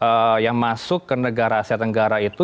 yang masuk ke negara asia tenggara itu